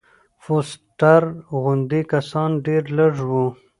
فوسټر غوندې کسان ډېر لږ وو.